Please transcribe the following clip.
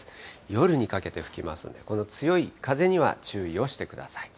夜にかけて吹きますんで、この強い風には注意をしてください。